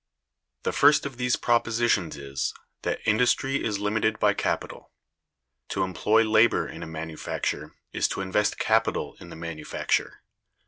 The first of these propositions is, that industry is limited by capital. To employ labor in a manufacture is to invest capital in the manufacture.